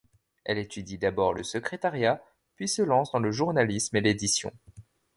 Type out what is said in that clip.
Elle étudie d'abord le secrétariat puis se lance dans le journalisme et dans l'édition.